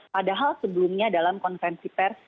padahal sebelumnya dalam konferensi pers